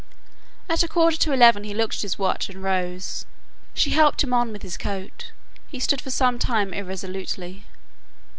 At a quarter to eleven he looked at his watch, and rose. She helped him on with his coat. He stood for some time irresolutely.